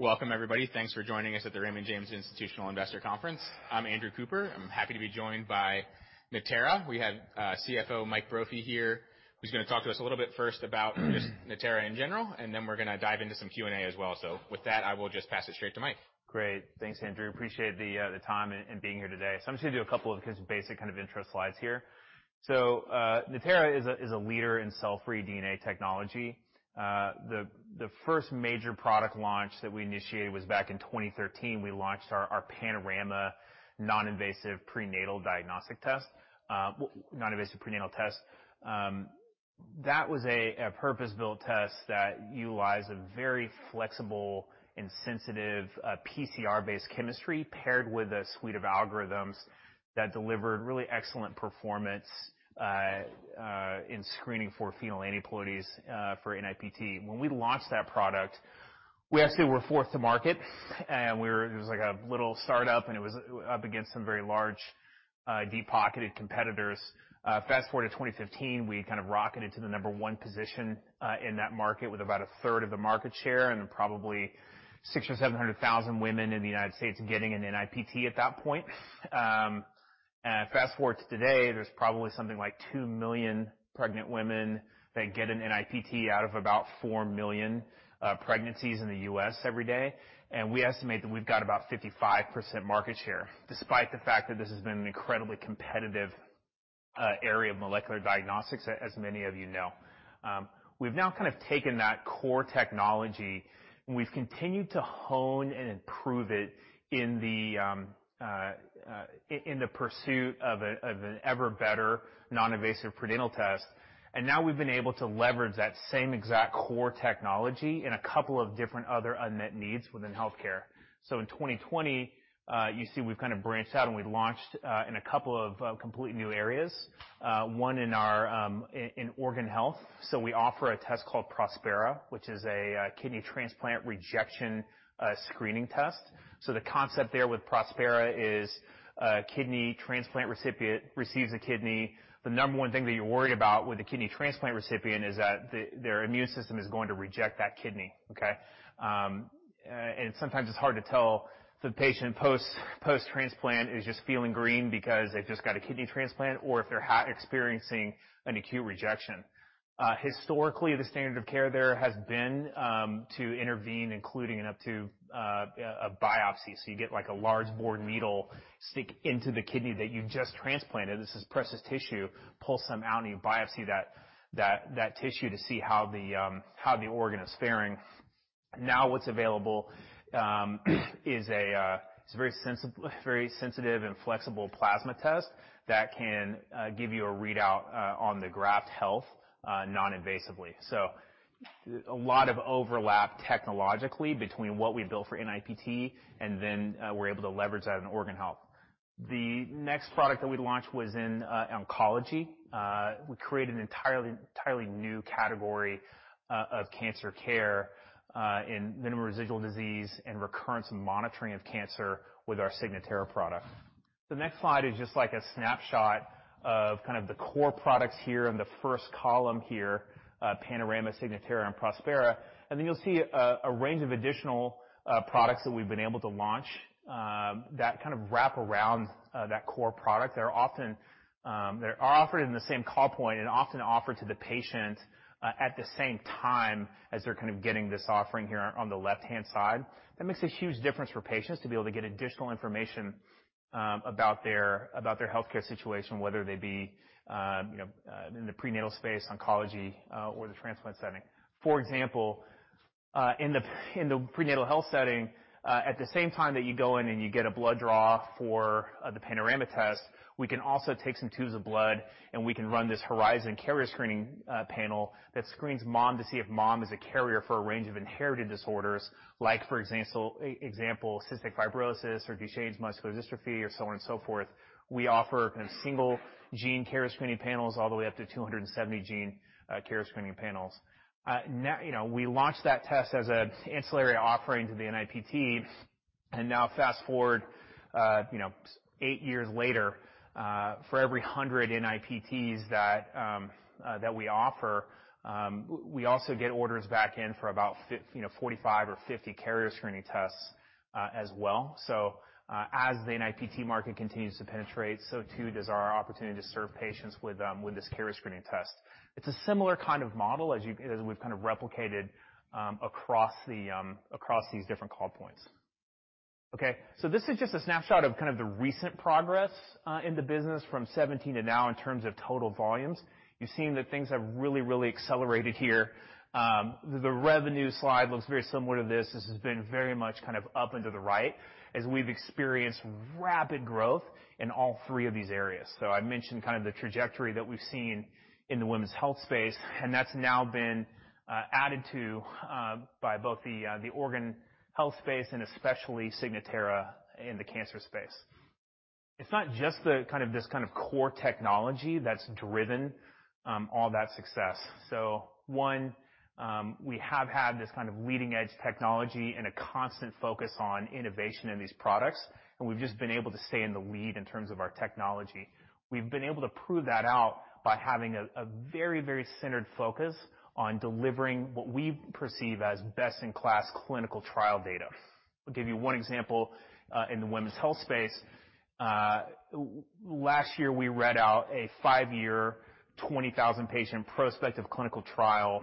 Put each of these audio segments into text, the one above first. Welcome, everybody. Thanks for joining us at the Raymond James Institutional Investor Conference. I'm Andrew Cooper. I'm happy to be joined by Natera. We have CFO, Mike Brophy here, who's gonna talk to us a little bit first about just Natera in general, and then we're gonna dive into some Q&A as well. With that, I will just pass it straight to Mike. Great. Thanks, Andrew. Appreciate the time and being here today. I'm just gonna do a couple of kind of basic kind of intro slides here. Natera is a leader in cell-free DNA technology. The first major product launch that we initiated was back in 2013. We launched our Panorama non-invasive prenatal diagnostic test, non-invasive prenatal test. That was a purpose-built test that utilizes a very flexible and sensitive PCR-based chemistry paired with a suite of algorithms that delivered really excellent performance in screening for fetal aneuploidies for NIPT. When we launched that product, we actually were fourth to market, and it was like a little startup, and it was up against some very large, deep-pocketed competitors. Fast-forward to 2015, we kind of rocketed to the number one position in that market with about 1/3 of the market share and probably 600,000 or 700,000 women in the United States getting an NIPT at that point. Fast-forward to today, there's probably something like 2 million pregnant women that get an NIPT out of about 4 million pregnancies in the U.S. every day. We estimate that we've got about 55% market share, despite the fact that this has been an incredibly competitive area of molecular diagnostics, as many of you know. We've now kind of taken that core technology, and we've continued to hone and improve it in the pursuit of an ever better non-invasive prenatal test. Now we've been able to leverage that same exact core technology in a couple of different other unmet needs within healthcare. In 2020, you see we've kinda branched out, we've launched in a couple of complete new areas, one in our organ health. We offer a test called Prospera, which is a kidney transplant rejection screening test. The concept there with Prospera is a kidney transplant recipient receives a kidney. The number 1 thing that you're worried about with a kidney transplant recipient is that their immune system is going to reject that kidney. Okay? Sometimes it's hard to tell if the patient post-transplant is just feeling green because they've just got a kidney transplant or if they're experiencing an acute rejection. Historically, the standard of care there has been to intervene, including and up to a biopsy. You get, like, a large bore needle, stick into the kidney that you just transplanted. This is precious tissue, pull some out, and you biopsy that tissue to see how the organ is faring. Now what's available is a very sensitive and flexible plasma test that can give you a readout on the graft health non-invasively. A lot of overlap technologically between what we built for NIPT, and then we're able to leverage that in organ health. The next product that we launched was in oncology. We created an entirely new category of cancer care in minimal residual disease and recurrence and monitoring of cancer with our Signatera product. The next slide is just like a snapshot of kind of the core products here in the first column here, Panorama, Signatera, and Prospera. You'll see a range of additional products that we've been able to launch that kind of wrap around that core product. They're often offered in the same call point and often offered to the patient at the same time as they're kind of getting this offering here on the left-hand side. That makes a huge difference for patients to be able to get additional information about their, about their healthcare situation, whether they be, you know, in the prenatal space, oncology, or the transplant setting. For example, in the prenatal health setting, at the same time that you go in and you get a blood draw for the Panorama test, we can also take some tubes of blood, and we can run this Horizon carrier screening panel that screens mom to see if mom is a carrier for a range of inherited disorders, like for example, cystic fibrosis or Duchenne muscular dystrophy or so on and so forth. We offer kind of single gene carrier screening panels all the way up to 270 gene carrier screening panels. Now, you know, we launched that test as an ancillary offering to the NIPT. Now fast-forward, you know, eight years later, for every 100 NIPTs that we offer, we also get orders back in for about you know, 45 or 50 carrier screening tests as well. As the NIPT market continues to penetrate, so too does our opportunity to serve patients with this carrier screening test. It's a similar kind of model as we've kind of replicated across the across these different call points. This is just a snapshot of kind of the recent progress in the business from 2017 to now in terms of total volumes. You've seen that things have really accelerated here. The revenue slide looks very similar to this. This has been very much kind of up and to the right as we've experienced rapid growth in all three of these areas. I mentioned kind of the trajectory that we've seen in the women's health space, and that's now been added to by both the organ health space and especially Signatera in the cancer space. It's not just this kind of core technology that's driven all that success. One, we have had this kind of leading edge technology and a constant focus on innovation in these products, and we've just been able to stay in the lead in terms of our technology. We've been able to prove that out by having a very, very centered focus on delivering what we perceive as best-in-class clinical trial data. I'll give you one example in the women's health space. Last year, we read out a five year, 20,000-patient prospective clinical trial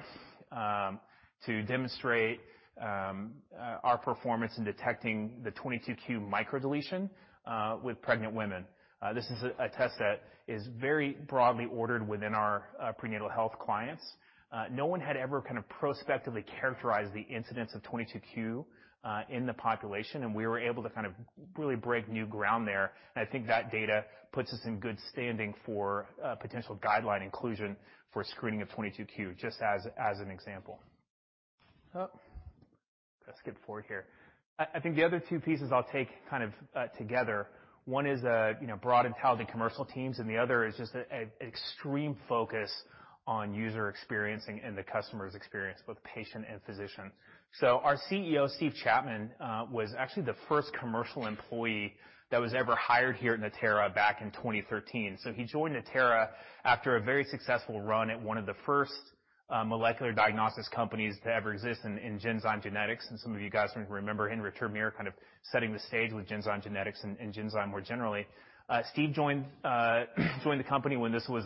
to demonstrate our performance in detecting the 22q microdeletion with pregnant women. This is a test that is very broadly ordered within our prenatal health clients. No one had ever kind of prospectively characterized the incidence of 22q in the population. We were able to kind of really break new ground there. I think that data puts us in good standing for potential guideline inclusion for screening of 22q, just as an example. Let's skip forward here. I think the other two pieces I'll take kind of together. One is, you know, broad and talented commercial teams, and the other is just an extreme focus on user experiencing and the customer's experience, both patient and physician. Our CEO, Steve Chapman, was actually the first commercial employee that was ever hired here at Natera back in 2013. He joined Natera after a very successful run at one of the first molecular diagnostics companies to ever exist, in Genzyme Genetics. Some of you guys may remember Henri Termeer kind of setting the stage with Genzyme Genetics and Genzyme more generally. Steve joined the company when this was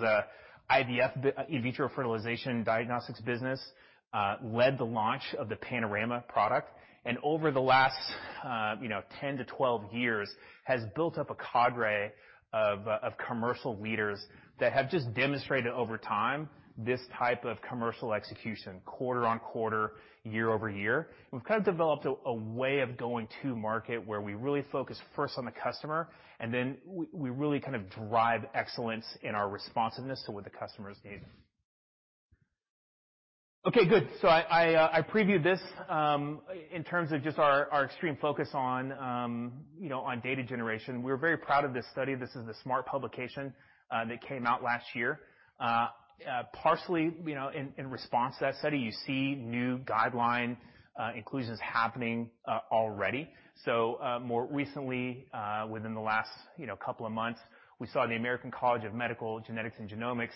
a IVF, in vitro fertilization diagnostics business, led the launch of the Panorama product, and over the last, you know, 10-12 years has built up a cadre of commercial leaders that have just demonstrated over time this type of commercial execution quarter-on-quarter, year-over-year. We've kind of developed a way of going to market where we really focus first on the customer, and then we really kind of drive excellence in our responsiveness to what the customers need. Okay, good. I previewed this in terms of just our extreme focus on, you know, on data generation. We're very proud of this study. This is the SMART publication that came out last year. Partially, you know, in response to that study, you see new guideline inclusions happening already. More recently, within the last, you know, couple of months, we saw the American College of Medical Genetics and Genomics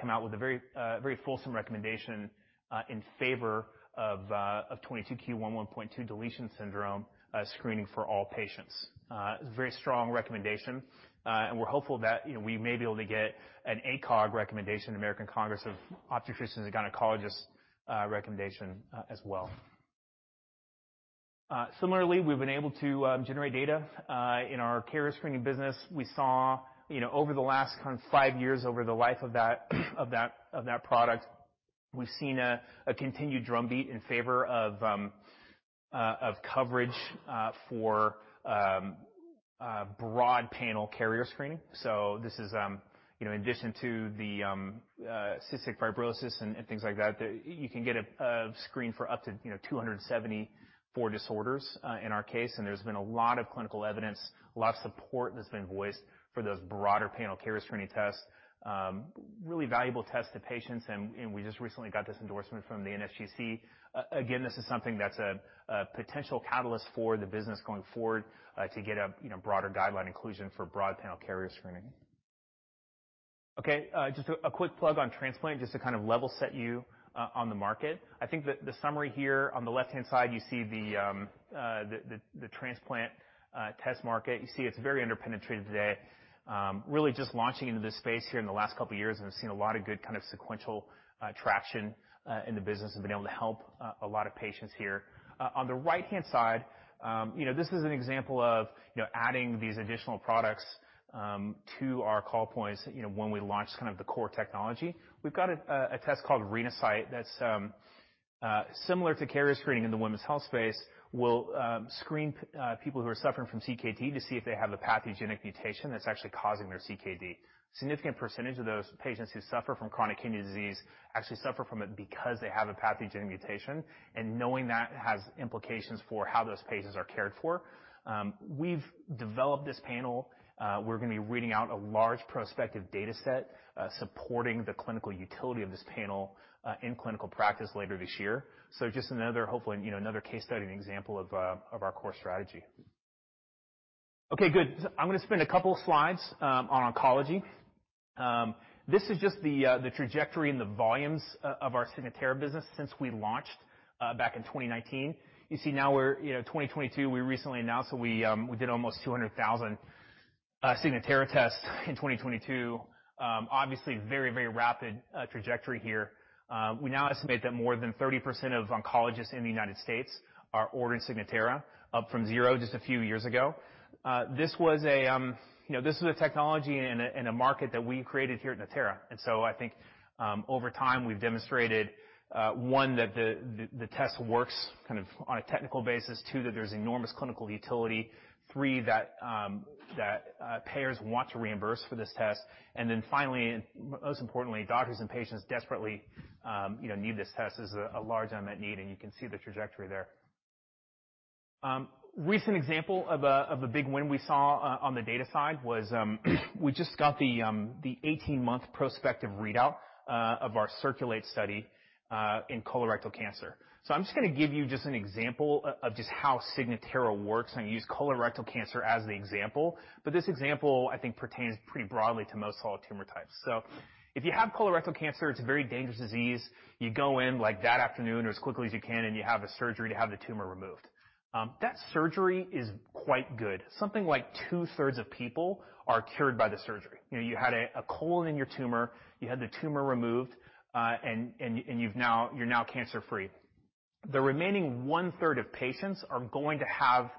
come out with a very, very fulsome recommendation in favor of 22q11.2 deletion syndrome screening for all patients. It was a very strong recommendation, and we're hopeful that, you know, we may be able to get an ACOG recommendation, American College of Obstetricians and Gynecologists, recommendation as well. Similarly, we've been able to generate data in our carrier screening business. We saw, you know, over the last kind of five years, over the life of that product, we've seen a continued drumbeat in favor of coverage for a broad panel carrier screening. This is, you know, in addition to the cystic fibrosis and things like that, you can get a screen for up to, you know, 274 disorders in our case. There's been a lot of clinical evidence, a lot of support that's been voiced for those broader panel carrier screening tests. Really valuable test to patients, and we just recently got this endorsement from the NSGC. Again, this is something that's a potential catalyst for the business going forward, to get a, you know, broader guideline inclusion for broad panel carrier screening. Okay. Just a quick plug on transplant, just to kind of level set you on the market. I think that the summary here on the left-hand side, you see the transplant test market. You see it's very under-penetrated today. Really just launching into this space here in the last couple of years have seen a lot of good kind of sequential traction in the business and been able to help a lot of patients here. On the right-hand side, you know, this is an example of, you know, adding these additional products to our call points, you know, when we launched kind of the core technology. We've got a test called Renasight that's similar to carrier screening in the women's health space, will screen people who are suffering from CKD to see if they have the pathogenic mutation that's actually causing their CKD. Significant percentage of those patients who suffer from chronic kidney disease actually suffer from it because they have a pathogenic mutation, and knowing that has implications for how those patients are cared for. We've developed this panel. We're gonna be reading out a large prospective data set, supporting the clinical utility of this panel, in clinical practice later this year. Just another, hopefully, you know, another case study and example of our core strategy. Okay, good. I'm gonna spend a couple slides on oncology. This is just the trajectory and the volumes of our Signatera business since we launched back in 2019. You see now we're, you know, 2022, we recently announced that we did almost 200,000 Signatera tests in 2022. Obviously very, very rapid trajectory here. We now estimate that more than 30% of oncologists in the United States are ordering Signatera, up from zero just a few years ago. This was, you know, this is a technology and a market that we created here at Natera. I think, over time, we've demonstrated, one, that the test works kind of on a technical basis. Two, that there's enormous clinical utility. Three, that payers want to reimburse for this test. Finally, most importantly, doctors and patients desperately, you know, need this test. This is a large unmet need, and you can see the trajectory there. Recent example of a big win we saw on the data side was, we just got the 18 month prospective readout of our CIRCULATE study in colorectal cancer. I'm just gonna give you just an example of just how Signatera works, and use colorectal cancer as the example. This example, I think, pertains pretty broadly to most solid tumor types. If you have colorectal cancer, it's a very dangerous disease. You go in, like, that afternoon or as quickly as you can, and you have a surgery to have the tumor removed. That surgery is quite good. Something like two-thirds of people are cured by the surgery. You know, you had a colon in your tumor, you had the tumor removed, and you're now cancer-free. The remaining 1/3 of patients are going to have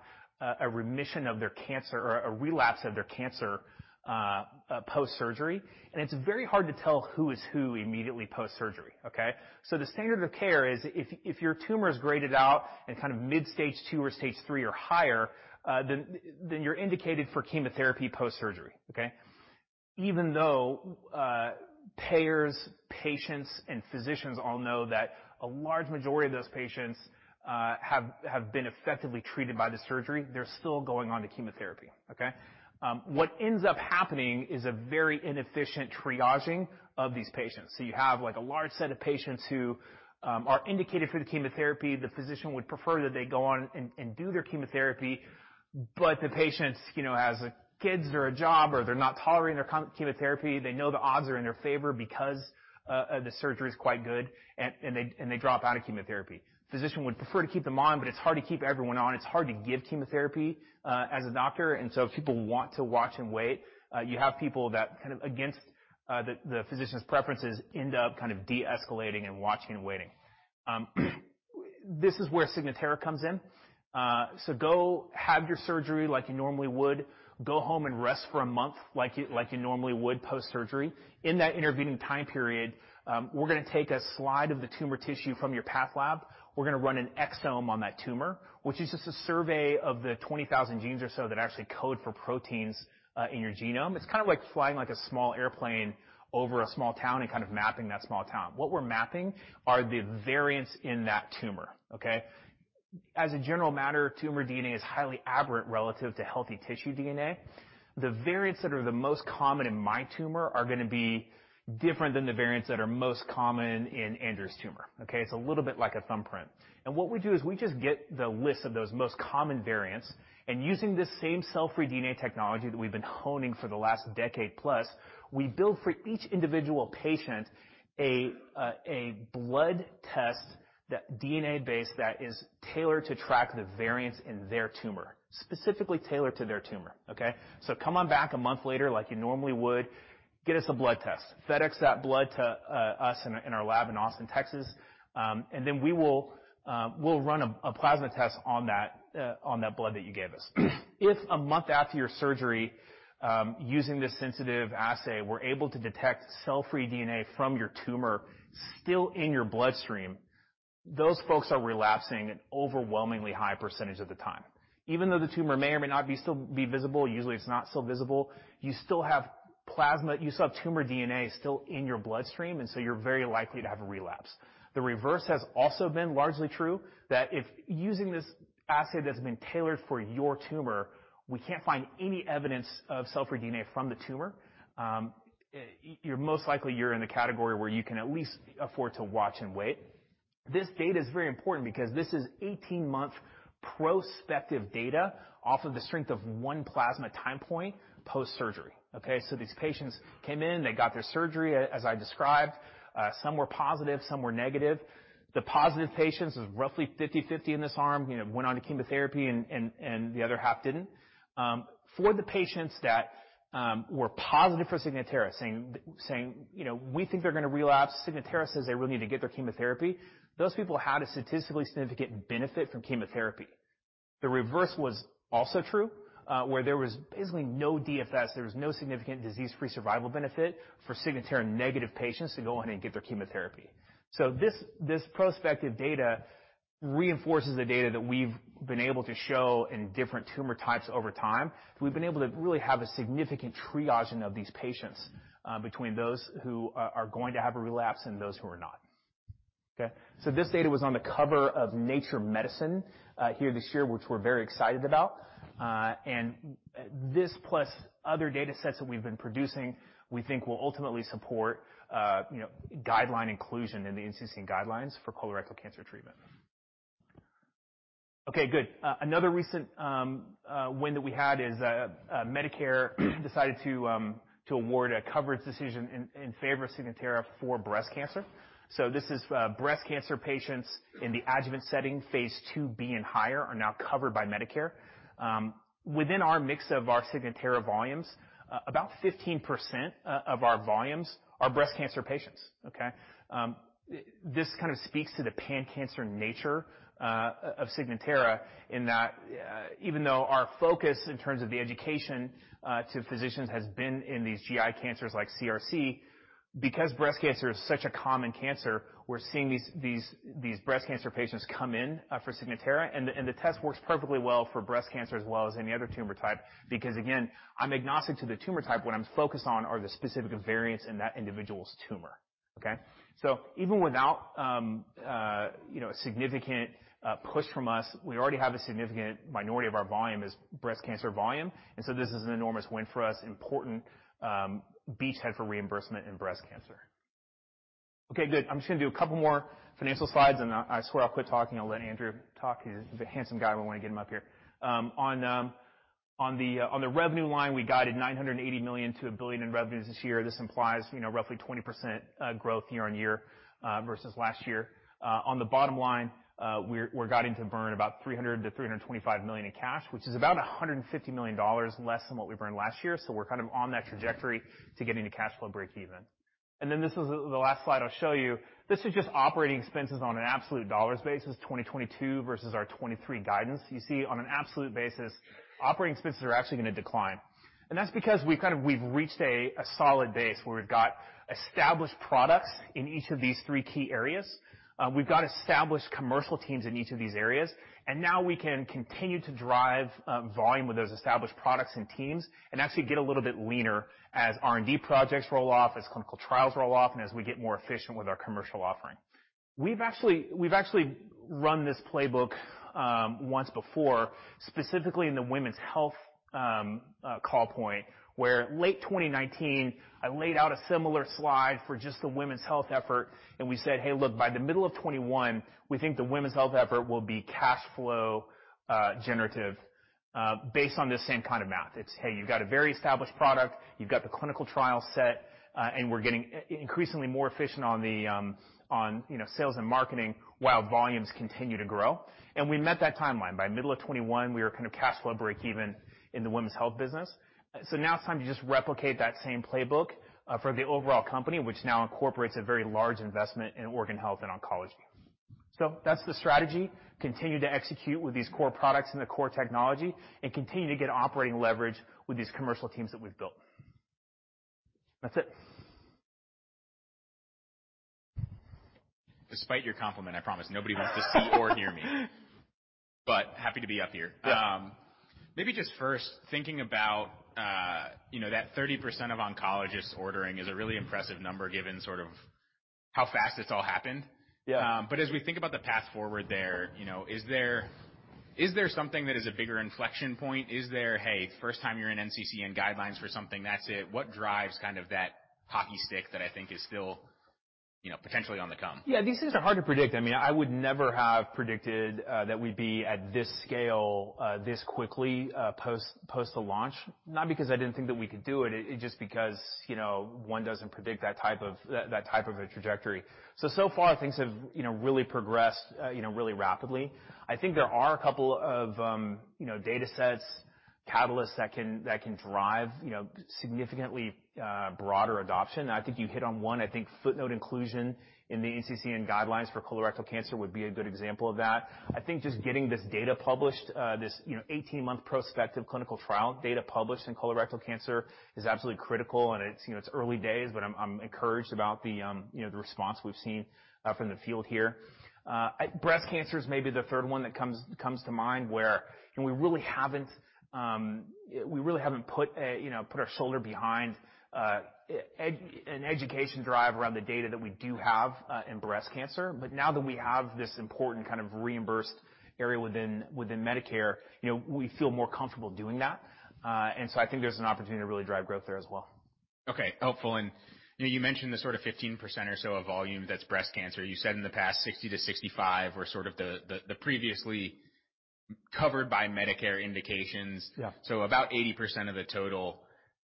a remission of their cancer or a relapse of their cancer post-surgery, and it's very hard to tell who is who immediately post-surgery, okay? The standard of care is if your tumor is graded out in kind of mid-stage II or stage III or higher, then you're indicated for chemotherapy post-surgery, okay. Even though payers, patients, and physicians all know that a large majority of those patients have been effectively treated by the surgery, they're still going on to chemotherapy, okay. What ends up happening is a very inefficient triaging of these patients. You have, like, a large set of patients who are indicated for the chemotherapy. The physician would prefer that they go on and do their chemotherapy, but the patients, you know, has, like, kids or a job or they're not tolerating their chemotherapy. They know the odds are in their favor because the surgery is quite good, and they drop out of chemotherapy. Physician would prefer to keep them on, it's hard to keep everyone on. It's hard to give chemotherapy as a doctor, people want to watch and wait. You have people that kind of against the physician's preferences end up kind of de-escalating and watching and waiting. This is where Signatera comes in. Go have your surgery like you normally would. Go home and rest for a month like you normally would post-surgery. In that intervening time period, we're gonna take a slide of the tumor tissue from your path lab. We're gonna run an exome on that tumor, which is just a survey of the 20,000 genes or so that actually code for proteins in your genome. It's kinda like flying like a small airplane over a small town and kind of mapping that small town. What we're mapping are the variants in that tumor, okay? As a general matter, tumor DNA is highly aberrant relative to healthy tissue DNA. The variants that are the most common in my tumor are gonna be different than the variants that are most common in Andrew's tumor, okay? It's a little bit like a thumbprint. What we do is we just get the list of those most common variants, and using this same cell-free DNA technology that we've been honing for the last decade plus, we build for each individual patient a DNA base that is tailored to track the variants in their tumor, specifically tailored to their tumor, okay? Come on back a month later like you normally would. Get us a blood test. FedEx that blood to us in our lab in Austin, Texas, we'll run a plasma test on that blood that you gave us. If a month after your surgery, using this sensitive assay, we're able to detect cell-free DNA from your tumor still in your bloodstream, those folks are relapsing an overwhelmingly high % of the time. Even though the tumor may or may not be visible, usually it's not still visible, you still have plasma, you still have tumor DNA still in your bloodstream, you're very likely to have a relapse. The reverse has also been largely true, that if using this assay that's been tailored for your tumor, we can't find any evidence of cell-free DNA from the tumor, you're most likely you're in the category where you can at least afford to watch and wait. This data is very important because this is 18 month prospective data off of the strength of one plasma time point post-surgery, okay? These patients came in, they got their surgery as I described. Some were positive, some were negative. The positive patients, it was roughly 50/50 in this arm, you know, went on to chemotherapy and the other half didn't. For the patients that were positive for Signatera, saying, you know, we think they're gonna relapse, Signatera says they really need to get their chemotherapy, those people had a statistically significant benefit from chemotherapy. The reverse was also true, where there was basically no DFS, there was no significant disease-free survival benefit for Signatera negative patients to go on and get their chemotherapy. This, this prospective data reinforces the data that we've been able to show in different tumor types over time. We've been able to really have a significant triaging of these patients, between those who are going to have a relapse and those who are not, okay? This data was on the cover of Nature Medicine, here this year, which we're very excited about. This plus other data sets that we've been producing, we think will ultimately support, you know, guideline inclusion in the NCCN guidelines for colorectal cancer treatment. Okay, good. Another recent win that we had is Medicare decided to award a coverage decision in favor of Signatera for breast cancer. This is breast cancer patients in the adjuvant setting, phase II-B and higher are now covered by Medicare. Within our mix of our Signatera volumes, about 15% of our volumes are breast cancer patients, okay? This kind of speaks to the pan-cancer nature of Signatera in that even though our focus in terms of the education to physicians has been in these GI cancers like CRC, because breast cancer is such a common cancer, we're seeing these breast cancer patients come in for Signatera. The test works perfectly well for breast cancer as well as any other tumor type because again, I'm agnostic to the tumor type. What I'm focused on are the specific variants in that individual's tumor. Okay. Even without, you know, a significant push from us, we already have a significant minority of our volume is breast cancer volume, this is an enormous win for us, important beachhead for reimbursement in breast cancer. Okay, good. I'm just gonna do a couple more financial slides, and I swear I'll quit talking. I'll let Andrew talk. He's a handsome guy. I wanna get him up here. On the revenue line, we guided $980 million-$1 billion in revenues this year. This implies, you know, roughly 20% growth year-over-year vs. last year. On the bottom line, we're guiding to burn about $300 million-$325 million in cash, which is about $150 million less than what we burned last year. We're kind of on that trajectory to getting to cash flow breakeven. This is the last slide I'll show you. This is just operating expenses on an absolute dollars basis, 2022 vs. our 2023 guidance. You see on an absolute basis, operating expenses are actually gonna decline, and that's because we've kind of reached a solid base where we've got established products in each of these three key areas. We've got established commercial teams in each of these areas. Now we can continue to drive volume with those established products and teams and actually get a little bit leaner as R&D projects roll off, as clinical trials roll off, and as we get more efficient with our commercial offering. We've actually run this playbook once before, specifically in the women's health call point, where late 2019, I laid out a similar slide for just the women's health effort. We said, "Hey, look, by the middle of 2021, we think the women's health effort will be cash flow generative based on this same kind of math." It's, hey, you've got a very established product. You've got the clinical trial set, and we're getting increasingly more efficient on the, on, you know, sales and marketing while volumes continue to grow. We met that timeline. By middle of 2021, we were kind of cash flow breakeven in the women's health business. Now it's time to just replicate that same playbook for the overall company, which now incorporates a very large investment in organ health and oncology. That's the strategy, continue to execute with these core products and the core technology and continue to get operating leverage with these commercial teams that we've built. That's it. Despite your compliment, I promise nobody wants to see or hear me. Happy to be up here. Yeah. Maybe just first thinking about, you know, that 30% of oncologists ordering is a really impressive number given sort of how fast this all happened. Yeah. As we think about the path forward there, you know, is there something that is a bigger inflection point? Is there, hey, first time you're in NCCN guidelines for something, that's it? What drives kind of that hockey stick that I think is still, you know, potentially on the come? Yeah, these things are hard to predict. I mean, I would never have predicted that we'd be at this scale this quickly post the launch, not because I didn't think that we could do it just because, you know, one doesn't predict that type of a trajectory. So far, things have, you know, really progressed, you know, really rapidly. I think there are a couple of, you know, data sets, catalysts that can drive, you know, significantly broader adoption. I think you hit on one. I think footnote inclusion in the NCCN guidelines for colorectal cancer would be a good example of that. I think just getting this data published, this, you know, 18 month prospective clinical trial data published in colorectal cancer is absolutely critical. It's, you know, it's early days, but I'm encouraged about the, you know, the response we've seen from the field here. Breast cancer is maybe the third one that comes to mind, where we really haven't put a, you know, put our shoulder behind an education drive around the data that we do have in breast cancer. Now that we have this important kind of reimbursed area within Medicare, you know, we feel more comfortable doing that. I think there's an opportunity to really drive growth there as well. Okay, helpful. You know, you mentioned the sort of 15% or so of volume that's breast cancer. You said in the past 60-65 were sort of the previously covered by Medicare indications. Yeah. About 80% of the total.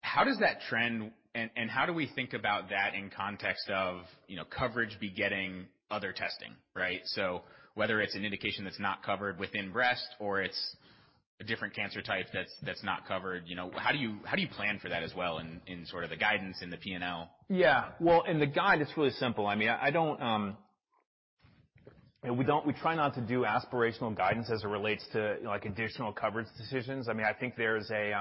How does that trend and how do we think about that in context of, you know, coverage begetting other testing, right? Whether it's an indication that's not covered within breast or it's a different cancer type that's not covered, you know, how do you, how do you plan for that as well in sort of the guidance in the P&L? Yeah. Well, in the guide, it's really simple. I mean, I don't. We try not to do aspirational guidance as it relates to, like, additional coverage decisions. I mean, I think there's a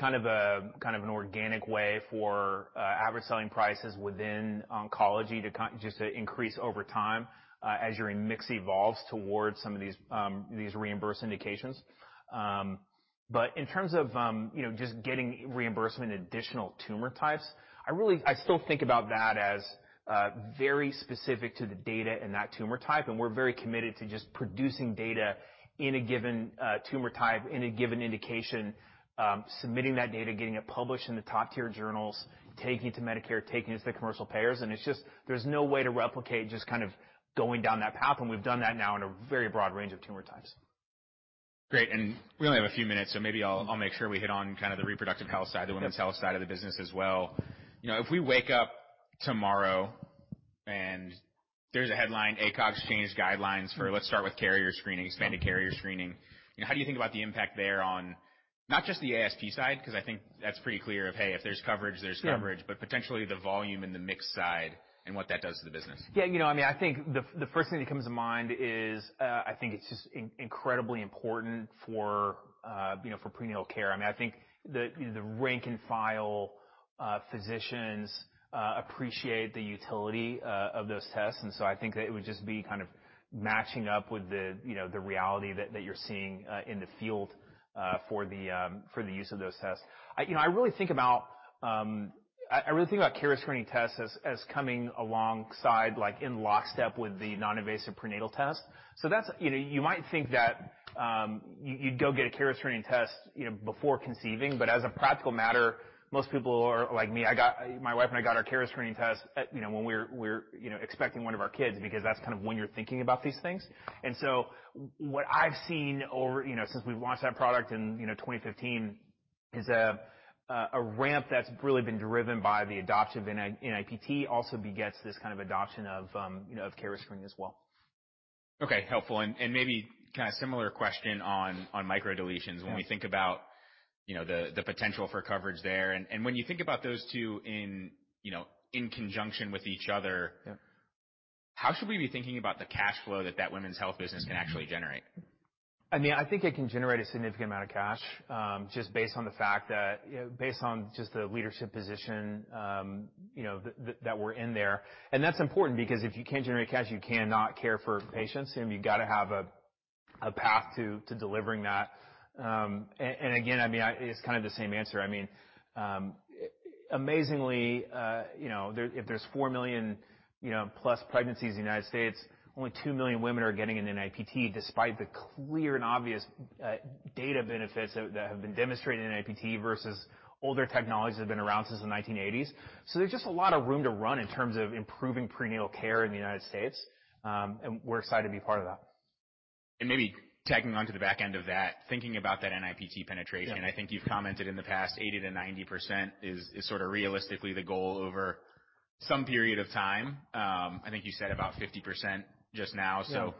kind of an organic way for average selling prices within oncology just to increase over time as your mix evolves towards some of these these reimbursed indications. In terms of, you know, just getting reimbursement in additional tumor types, I really, I still think about that as very specific to the data in that tumor type, and we're very committed to just producing data in a given tumor type, in a given indication, submitting that data, getting it published in the top-tier journals, taking it to Medicare, taking it to the commercial payers, and there's no way to replicate just kind of going down that path, and we've done that now in a very broad range of tumor types. Great. We only have a few minutes, so maybe I'll make sure we hit on kind of the reproductive health side, the women's health side of the business as well. You know, if we wake up tomorrow and there's a headline, ACOG's changed guidelines for, let's start with carrier screening, expanded carrier screening. You know, how do you think about the impact there on not just the ASP side, 'cause I think that's pretty clear of, hey, if there's coverage, there's coverage. Yeah. Potentially the volume and the mix side and what that does to the business. Yeah, I mean, I think the first thing that comes to mind is, I think it's just incredibly important for prenatal care. I mean, I think the rank and file physicians appreciate the utility of those tests. I think that it would just be kind of matching up with the reality that you're seeing in the field for the use of those tests. I really think about carrier screening tests as coming alongside, like in lockstep with the non-invasive prenatal test. That's, you might think that you'd go get a carrier screening test before conceiving, but as a practical matter. Most people are like me. My wife and I got our carrier screening test at, you know, when we were, you know, expecting one of our kids, because that's kind of when you're thinking about these things. What I've seen over, you know, since we've launched that product in, you know, 2015 is a ramp that's really been driven by the adoption of NIPT also begets this kind of adoption of, you know, of carrier screening as well. Okay, helpful. Maybe kind of similar question on microdeletions. Yeah. When we think about, you know, the potential for coverage there. When you think about those two in, you know, in conjunction with each other. Yeah. How should we be thinking about the cash flow that that women's health business can actually generate? I mean, I think it can generate a significant amount of cash, just based on the fact that, you know, based on just the leadership position, you know, that we're in there. That's important because if you can't generate cash, you cannot care for patients. You know, you gotta have a path to delivering that. Again, I mean, it's kind of the same answer. I mean, amazingly, you know, if there's 4 million, you know, plus pregnancies in the United States, only 2 million women are getting an NIPT, despite the clear and obvious, data benefits that have been demonstrated in NIPT vs. older technologies that have been around since the 1980s. There's just a lot of room to run in terms of improving prenatal care in the United States, and we're excited to be part of that. Maybe tagging on to the back end of that, thinking about that NIPT penetration. Yeah. I think you've commented in the past 80%-90% is sort of realistically the goal over some period of time. I think you said about 50% just now. Yeah.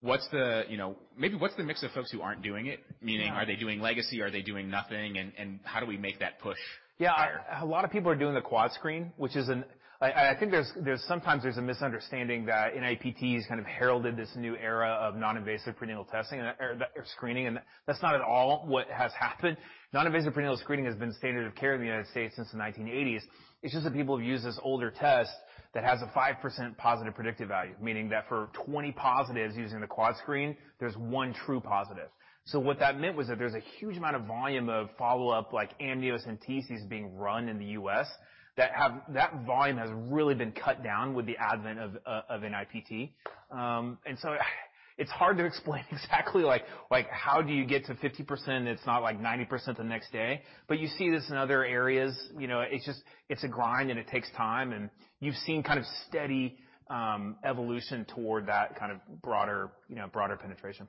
What's the, you know, maybe what's the mix of folks who aren't doing it? Yeah. Meaning are they doing legacy? Are they doing nothing? How do we make that push higher? Yeah. A lot of people are doing the quad screen, which is I think sometimes there's a misunderstanding that NIPT has kind of heralded this new era of non-invasive prenatal testing or screening, and that's not at all what has happened. Non-invasive prenatal screening has been standard of care in the United States since the 1980s. It's just that people have used this older test that has a 5% positive predictive value, meaning that for 20 positives using the quad screen, there's one true positive. What that meant was that there's a huge amount of volume of follow-up, like amniocentesis being run in the U.S., that volume has really been cut down with the advent of NIPT. It's hard to explain exactly how do you get to 50%, it's not like 90% the next day, but you see this in other areas. You know, it's just, it's a grind, and it takes time, and you've seen kind of steady evolution toward that kind of broader, you know, broader penetration.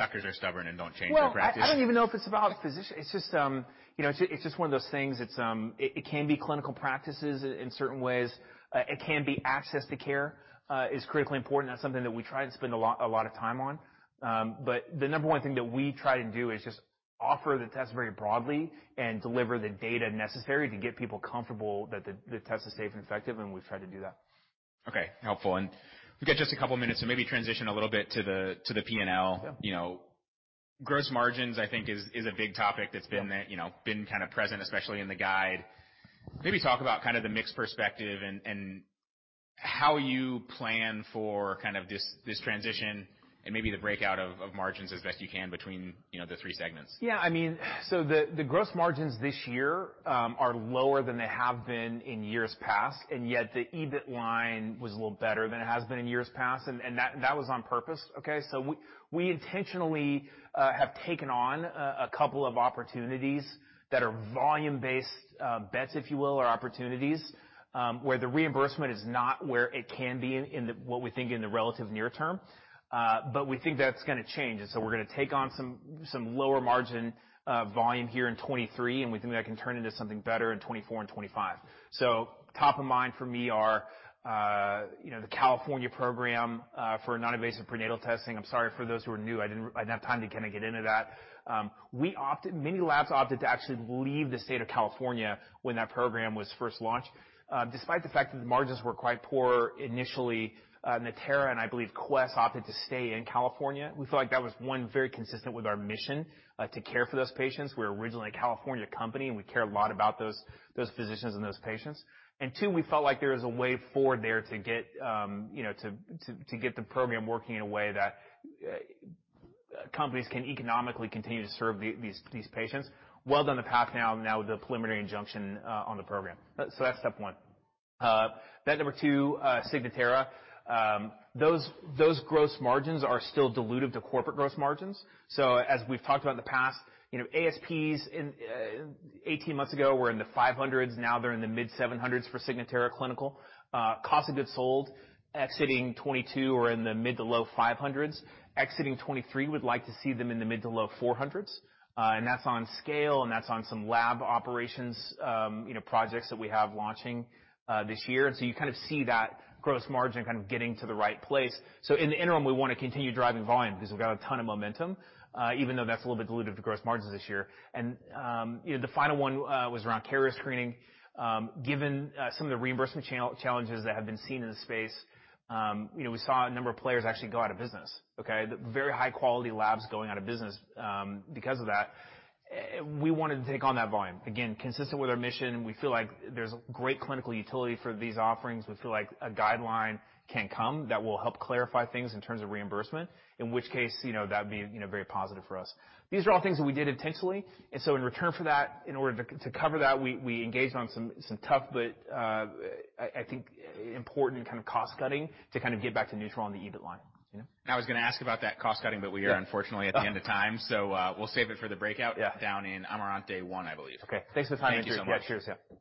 Doctors are stubborn and don't change their practices. Well, I don't even know if it's about physicians. It's just, you know, it's just one of those things. It's, it can be clinical practices in certain ways. It can be access to care, is critically important. That's something that we try and spend a lot of time on. The number one thing that we try to do is just offer the test very broadly and deliver the data necessary to get people comfortable that the test is safe and effective, and we've tried to do that. Okay, helpful. We've got just a couple of minutes, so maybe transition a little bit to the P&L. Yeah. You know, gross margins, I think is a big topic. Yeah. You know, been kind of present, especially in the guide. Maybe talk about kind of the mix perspective and how you plan for kind of this transition and maybe the breakout of margins as best you can between, you know, the three segments. Yeah, I mean, the gross margins this year, are lower than they have been in years past, and yet the EBIT line was a little better than it has been in years past, and that was on purpose. Okay? We intentionally have taken on a couple of opportunities that are volume-based bets, if you will, or opportunities, where the reimbursement is not where it can be what we think in the relative near term. We think that's gonna change. We're gonna take on some lower margin volume here in 2023, and we think that can turn into something better in 2024 and 2025. Top of mind for me are, you know, the California program for non-invasive prenatal testing. I'm sorry for those who are new. I didn't have time to kinda get into that. Many labs opted to actually leave the state of California when that program was first launched. Despite the fact that the margins were quite poor initially, Natera and I believe Quest opted to stay in California. We felt like that was one very consistent with our mission, to care for those patients. We're originally a California company, we care a lot about those physicians and those patients. Two, we felt like there was a way forward there to get, you know, to get the program working in a way that companies can economically continue to serve these patients. Well, down the path now with the preliminary injunction on the program. That's step one. Number two, Signatera. Those gross margins are still dilutive to corporate gross margins. As we've talked about in the past, you know, ASPs in 18 months ago were in the $500s. Now they're in the mid $700s for Signatera Clinical. Cost of goods sold exiting 2022 or in the mid of $500s. Exiting 2023, we'd like to see them in the mid of $400s. That's on scale, and that's on some lab operations, you know, projects that we have launching this year. You kind of see that gross margin kind of getting to the right place. In the interim, we wanna continue driving volume because we've got a ton of momentum, even though that's a little bit dilutive to gross margins this year. You know, the final one was around carrier screening. Given some of the reimbursement challenges that have been seen in the space, you know, we saw a number of players actually go out of business. Okay? Very high-quality labs going out of business because of that. We wanted to take on that volume. Again, consistent with our mission, we feel like there's great clinical utility for these offerings. We feel like a guideline can come that will help clarify things in terms of reimbursement, in which case, you know, that'd be, you know, very positive for us. These are all things that we did intentionally. In return for that, in order to cover that, we engaged on some tough but I think important kind of cost-cutting to kind of get back to neutral on the EBIT line. You know? I was gonna ask about that cost-cutting, but we are unfortunately at the end of time, so we'll save it for the breakout. Yeah. Down in Amarante day one, I believe. Okay. Thanks for the time. Thank you so much. Yeah, cheers. Yeah.